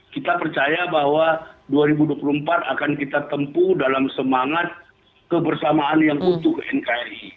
kita percaya bahwa dua ribu dua puluh empat akan kita tempuh dalam semangat kebersamaan yang utuh nkri